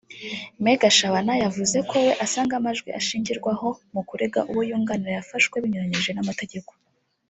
Me Gashabana yavuze ko we asanga amajwi ashingirwaho mu kurega uwo yunganira yafashwe binyuranyije n’amategeko